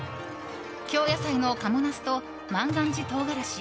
京野菜の賀茂茄子と万願寺とうがらし